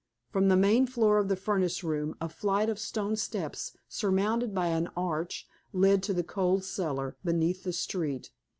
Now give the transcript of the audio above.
From the main floor of the furnace room, a flight of stone steps surmounted by an arch led into the coal cellar, beneath the street.